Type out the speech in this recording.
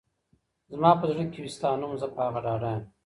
زما په زړه کي وي ستا نوم ، زه په هغه ډاډه يم